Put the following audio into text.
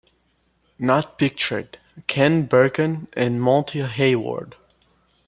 Not pictured: Ken Berkun and Monte Hayward.